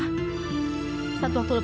di kepalanya ada bekas luka